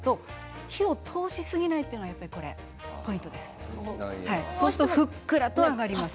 火を通しすぎないのがポイントです。